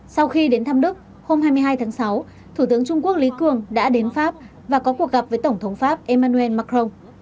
sau khi đến thăm đức hôm hai mươi hai tháng sáu thủ tướng trung quốc lý cường đã đến pháp và có cuộc gặp với tổng thống pháp emmanuel macron